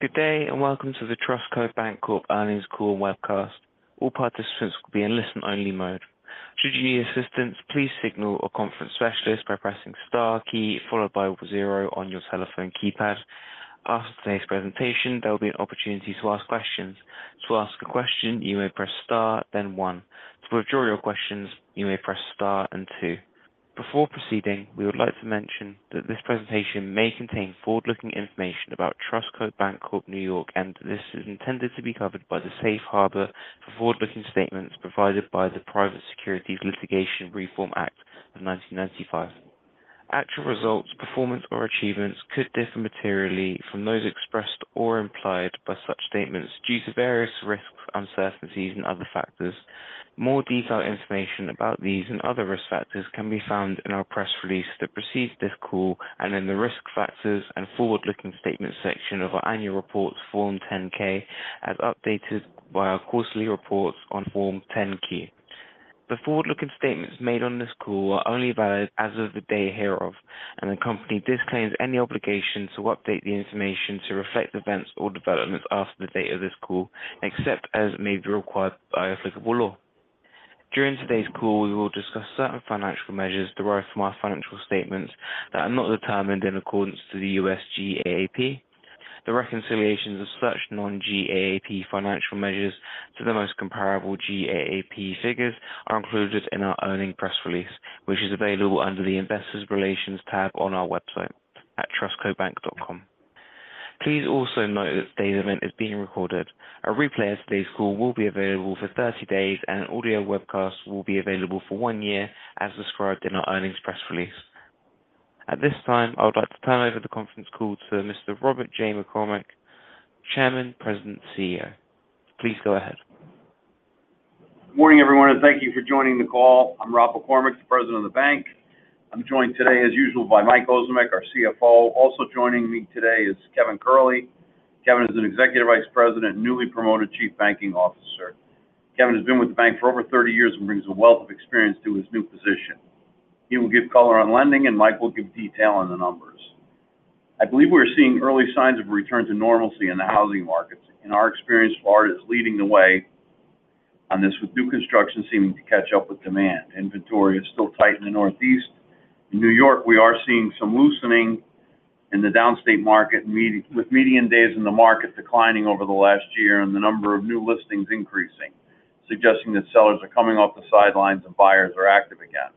Good day, and welcome to the TrustCo Bank Corp NY earnings call and webcast. All participants will be in listen-only mode. Should you need assistance, please signal a conference specialist by pressing star key followed by zero on your telephone keypad. After today's presentation, there will be an opportunity to ask questions. To ask a question, you may press star, then one. To withdraw your questions, you may press star and two. Before proceeding, we would like to mention that this presentation may contain forward-looking information about TrustCo Bank Corp NY, and this is intended to be covered by the safe harbor for forward-looking statements provided by the Private Securities Litigation Reform Act of 1995. Actual results, performance, or achievements could differ materially from those expressed or implied by such statements due to various risks, uncertainties, and other factors. More detailed information about these and other risk factors can be found in our press release that precedes this call and in the Risk Factors and Forward-Looking Statements section of our annual report, Form 10-K, as updated by our quarterly reports on Form 10-K. The forward-looking statements made on this call are only valid as of the day hereof, and the company disclaims any obligation to update the information to reflect events or developments after the date of this call, except as may be required by applicable law. During today's call, we will discuss certain financial measures derived from our financial statements that are not determined in accordance to the U.S. GAAP. The reconciliations of such non-GAAP financial measures to the most comparable GAAP figures are included in our earnings press release, which is available under the Investors Relations tab on our website at trustcobank.com. Please also note that today's event is being recorded. A replay of today's call will be available for 30 days, and an audio webcast will be available for 1 year, as described in our earnings press release. At this time, I would like to turn over the conference call to Mr. Robert J. McCormick, Chairman, President, CEO. Please go ahead. Good morning, everyone, and thank you for joining the call. I'm Rob McCormick, the President of the bank. I'm joined today, as usual, by Mike Ozimek, our CFO. Also joining me today is Kevin Curley. Kevin is an Executive Vice President, newly promoted Chief Banking Officer. Kevin has been with the bank for over 30 years and brings a wealth of experience to his new position. He will give color on lending, and Mike will give detail on the numbers. I believe we're seeing early signs of a return to normalcy in the housing markets. In our experience, Florida is leading the way on this, with new construction seeming to catch up with demand. Inventory is still tight in the Northeast. In New York, we are seeing some loosening in the downstate market, median days in the market declining over the last year and the number of new listings increasing, suggesting that sellers are coming off the sidelines and buyers are active again.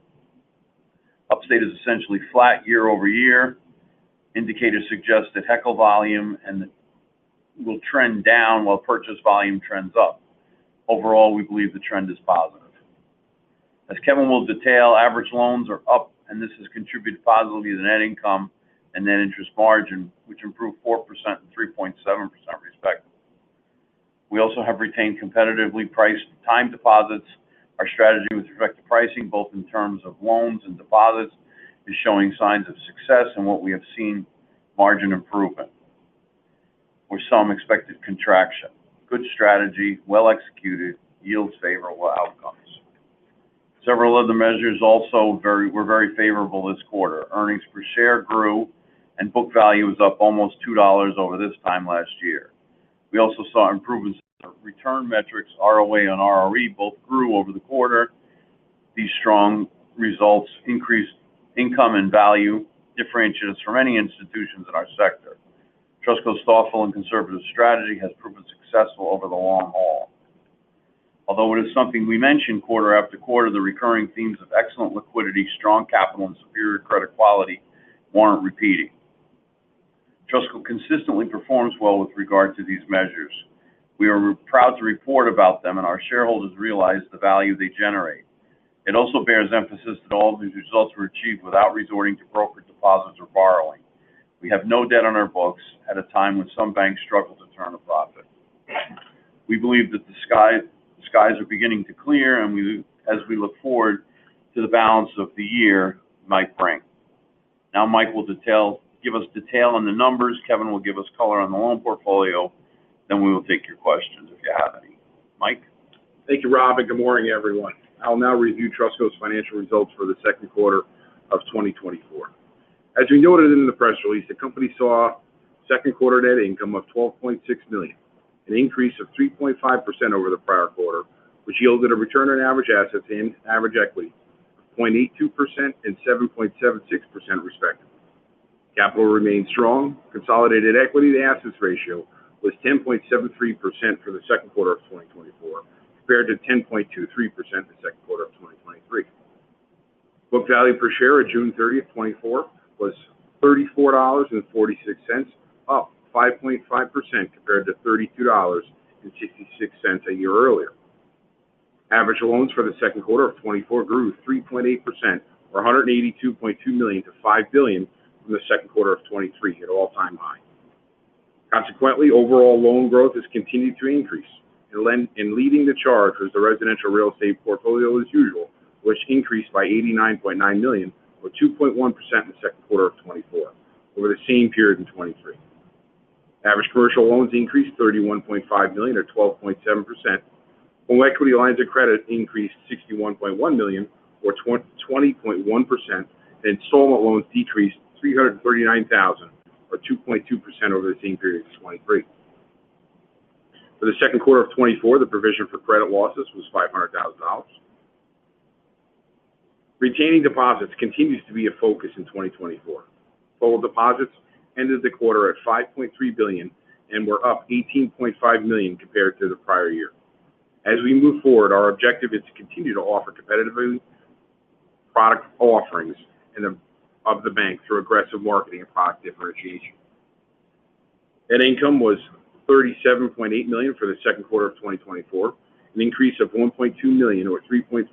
Upstate is essentially flat year-over-year. Indicators suggest that HELOC volume will trend down while purchase volume trends up. Overall, we believe the trend is positive. As Kevin will detail, average loans are up, and this has contributed positively to net income and net interest margin, which improved 4% and 3.7%, respectively. We also have retained competitively priced time deposits. Our strategy with respect to pricing, both in terms of loans and deposits, is showing signs of success and what we have seen, margin improvement. We saw some expected contraction. Good strategy, well executed, yields favorable outcomes. Several other measures also were very favorable this quarter. Earnings per share grew, and book value is up almost $2 over this time last year. We also saw improvements in our return metrics. ROA and ROE both grew over the quarter. These strong results increased income and value, differentiates from any institutions in our sector. TrustCo's thoughtful and conservative strategy has proven successful over the long haul. Although it is something we mention quarter-after-quarter, the recurring themes of excellent liquidity, strong capital, and superior credit quality warrant repeating. TrustCo consistently performs well with regard to these measures. We are proud to report about them, and our shareholders realize the value they generate. It also bears emphasis that all of these results were achieved without resorting to brokered deposits or borrowing. We have no debt on our books at a time when some banks struggle to turn a profit. We believe that the sky, skies are beginning to clear, and we-- as we look forward to the balance of the year, Mike Ozimek. Now, Mike will detail-- give us detail on the numbers. Kevin will give us color on the loan portfolio, then we will take your questions if you have any. Mike? Thank you, Rob, and good morning, everyone. I'll now review TrustCo's financial results for the Q2 of 2024. As we noted in the press release, the company saw Q2 net income of $12.6 million, an increase of 3.5% over the prior quarter, which yielded a return on average assets and average equity of 0.82% and 7.76%, respectively. Capital remains strong. Consolidated equity-to-assets ratio was 10.73% for the Q2 of 2024, compared to 10.23% the Q2 of 2023. Book value per share at June 30, 2024, was $34.46, up 5.5% compared to $32.66 a year earlier. Average loans for the Q2 of 2024 grew 3.8% or $182.2 million to $5 billion from the Q2 of 2023 at an all-time high. Consequently, overall loan growth has continued to increase. Leading the charge was the residential real estate portfolio as usual, which increased by $89.9 million, or 2.1%, in the Q2 of 2024 over the same period in 2023. Average commercial loans increased $31.5 million or 12.7%. Home equity lines of credit increased $61.1 million, or 20.1%, and installment loans decreased $339,000, or 2.2%, over the same period of 2023. For the Q2 of 2024, the provision for credit losses was $500,000. Retaining deposits continues to be a focus in 2024. Total deposits ended the quarter at $5.3 billion and were up $18.5 million compared to the prior year. As we move forward, our objective is to continue to offer competitive product offerings in the bank through aggressive marketing and product differentiation. Net income was $37.8 million for the Q2 of 2024, an increase of $1.2 million, or 3.3%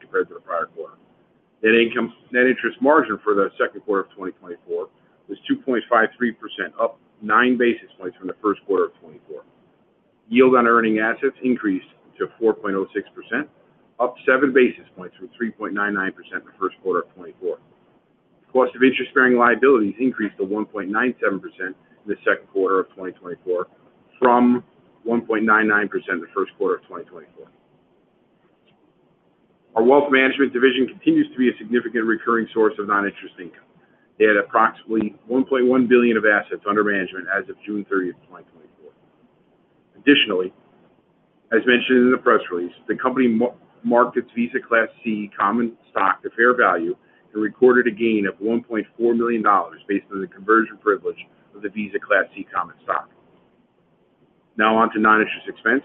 compared to the prior quarter. Net interest margin for the Q2 of 2024 was 2.53%, up 9 basis points from the Q1 of 2024. Yield on earning assets increased to 4.06%, up 7 basis points from 3.99% in the Q1 of 2024. Cost of interest-bearing liabilities increased to 1.97% in the Q2 of 2024, from 1.99% in the Q1 of 2024. Our wealth management division continues to be a significant recurring source of non-interest income. They had approximately $1.1 billion of assets under management as of June 30, 2024. Additionally, as mentioned in the press release, the company marked its Visa Class C common stock to fair value and recorded a gain of $1.4 million based on the conversion privilege of the Visa Class C common stock. Now on to non-interest expense.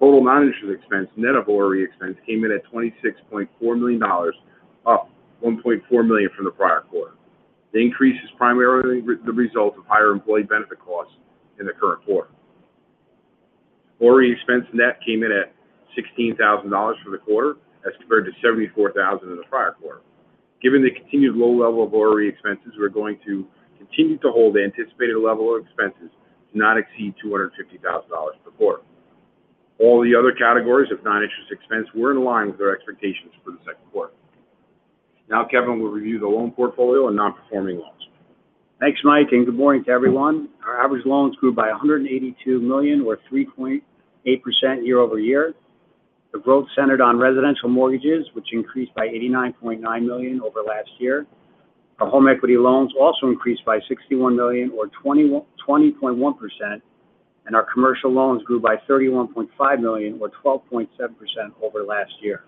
Total non-interest expense, net of ORE expense, came in at $26.4 million, up $1.4 million from the prior quarter. The increase is primarily the result of higher employee benefit costs in the current quarter. ORE expense net came in at $16,000 for the quarter, as compared to $74,000 in the prior quarter. Given the continued low level of ORE expenses, we're going to continue to hold the anticipated level of expenses to not exceed $250,000 per quarter. All the other categories of non-interest expense were in line with our expectations for the Q2. Now, Kevin will review the loan portfolio and non-performing loans. Thanks, Mike, and good morning to everyone. Our average loans grew by $182 million or 3.8% year-over-year. The growth centered on residential mortgages, which increased by $89.9 million over last year. Our home equity loans also increased by $61 million or 20.1%, and our commercial loans grew by $31.5 million or 12.7% over last year.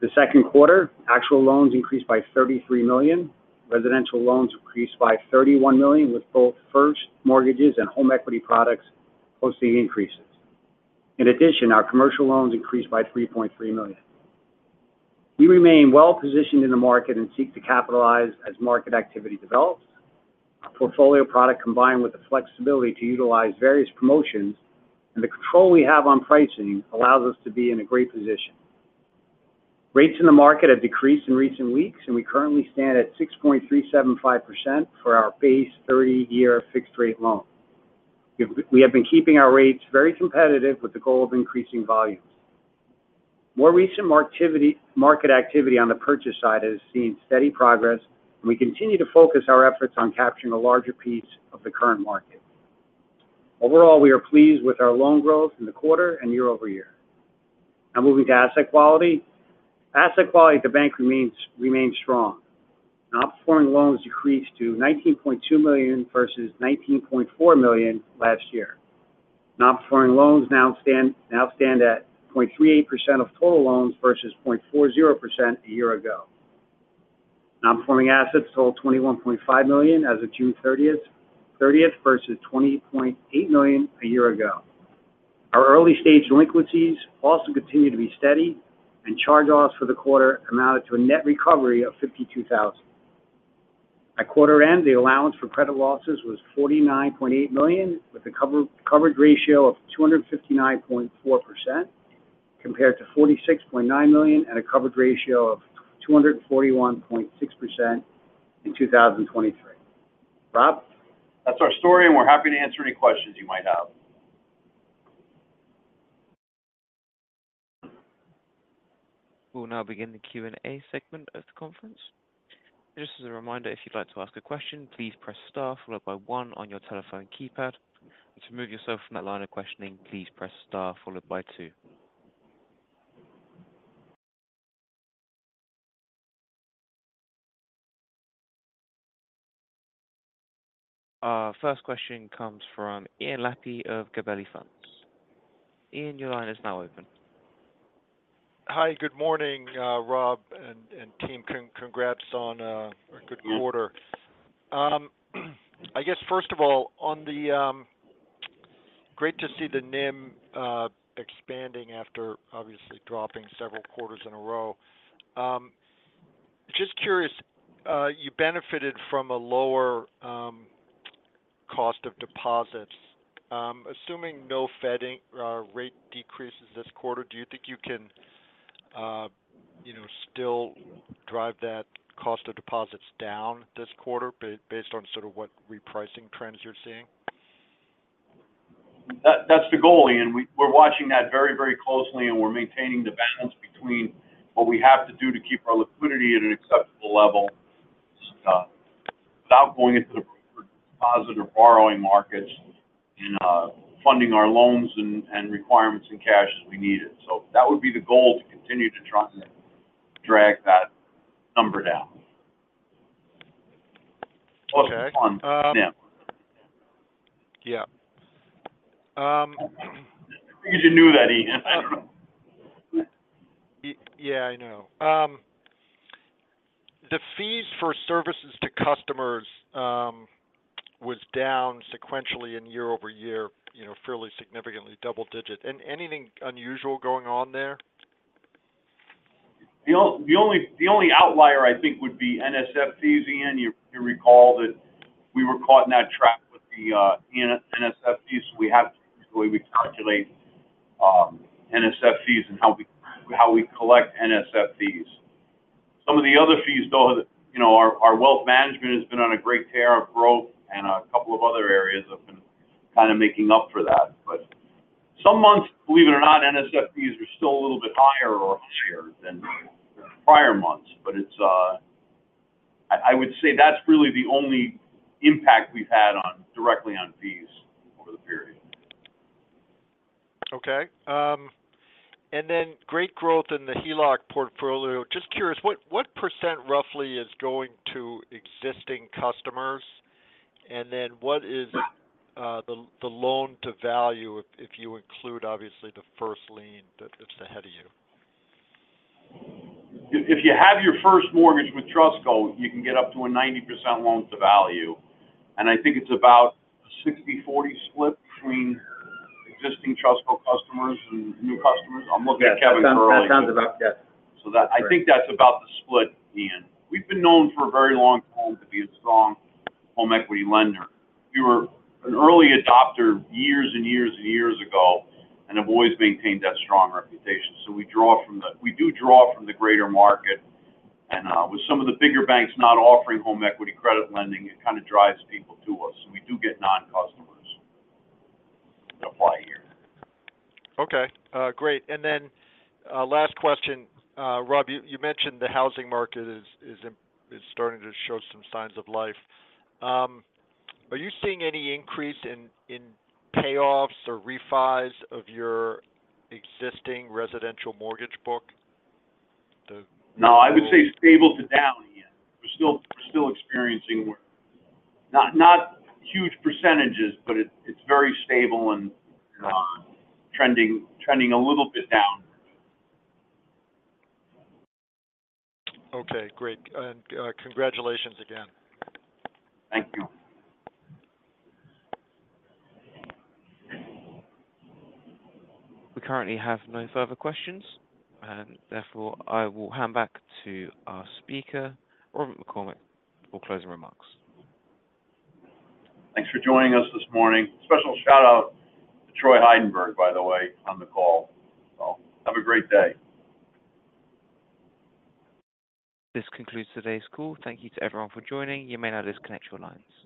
The Q2, actual loans increased by $33 million. Residential loans increased by $31 million, with both first mortgages and home equity products posting increases. In addition, our commercial loans increased by $3.3 million. We remain well-positioned in the market and seek to capitalize as market activity develops. Our portfolio product, combined with the flexibility to utilize various promotions and the control we have on pricing, allows us to be in a great position. Rates in the market have decreased in recent weeks, and we currently stand at 6.375% for our base 30-year fixed-rate loan. We have been keeping our rates very competitive with the goal of increasing volumes. More recent market activity on the purchase side has seen steady progress, and we continue to focus our efforts on capturing a larger piece of the current market. Overall, we are pleased with our loan growth in the quarter and year-over-year. Now moving to asset quality. Asset quality at the bank remains strong. Non-performing loans decreased to $19.2 million versus $19.4 million last year. Non-performing loans now stand at 0.38% of total loans versus 0.40% a year ago. Non-performing assets total $21.5 million as of June 30, versus $20.8 million a year ago. Our early-stage delinquencies also continue to be steady, and charge-offs for the quarter amounted to a net recovery of $52,000. At quarter end, the allowance for credit losses was $49.8 million, with a coverage ratio of 259.4%, compared to $46.9 million and a coverage ratio of 241.6% in 2023. Rob? That's our story, and we're happy to answer any questions you might have. We'll now begin the Q&A segment of the conference. Just as a reminder, if you'd like to ask a question, please press star followed by one on your telephone keypad. To remove yourself from that line of questioning, please press star followed by two. Our first question comes from Ian Lapey of Gabelli Funds. Ian, your line is now open. Hi, good morning, Rob and, and team. Congrats on, a good quarter. I guess, first of all, on the, great to see the NIM, expanding after obviously dropping several quarters in a row. Just curious, you benefited from a lower, cost of deposits. Assuming no Fed in- rate decreases this quarter, do you think you can, you know, still drive that cost of deposits down this quarter based on sort of what repricing trends you're seeing? That's the goal, Ian. We're watching that very, very closely, and we're maintaining the balance between what we have to do to keep our liquidity at an acceptable level, without going into the deposit or borrowing markets and funding our loans and requirements in cash as we need it. So that would be the goal, to continue to try and drag that number down. Okay, um- Yeah. Yeah. Um- I think you knew that, Ian. Yeah, I know. The fees for services to customers was down sequentially and year over year, you know, fairly significantly, double digit. Anything unusual going on there? The only, the only outlier I think would be NSF fees, Ian. You recall that we were caught in that trap with the NSF fees, so the way we calculate NSF fees and how we collect NSF fees. Some of the other fees, though, you know, our wealth management has been on a great tear of growth, and a couple of other areas have been kind of making up for that. But some months, believe it or not, NSF fees are still a little bit higher or higher than the prior months, but it's I would say that's really the only impact we've had on, directly on fees over the period. Okay. And then great growth in the HELOC portfolio. Just curious, what percent roughly is going to existing customers? And then what is the loan-to-value, if you include, obviously, the first lien that's ahead of you? If you have your first mortgage with TrustCo, you can get up to a 90% loan-to-value, and I think it's about 60/40 split between existing TrustCo customers and new customers. I'm looking at Kevin Curley. That sounds about... Yes. So I think that's about the split, Ian. We've been known for a very long time to be a strong home equity lender. We were an early adopter years and years and years ago, and have always maintained that strong reputation. So we draw from the greater market, and with some of the bigger banks not offering home equity credit lending, it kind of drives people to us, and we do get non-customers apply here. Okay, great. And then, last question. Rob, you mentioned the housing market is starting to show some signs of life. Are you seeing any increase in payoffs or refis of your existing residential mortgage book? No, I would say stable to down, Ian. We're still experiencing not huge percentages, but it's very stable and trending a little bit down. Okay, great. And, congratulations again. Thank you. We currently have no further questions, and therefore, I will hand back to our speaker, Robert McCormick, for closing remarks. Thanks for joining us this morning. Special shout-out to Troy Heidenberg, by the way, on the call. So have a great day. This concludes today's call. Thank you to everyone for joining. You may now disconnect your lines.